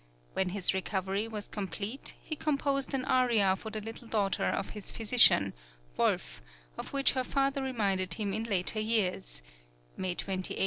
When his recovery was complete, he composed an aria for the little daughter of his physician, Wolf, of which her father reminded him in later years (May 28, 1778).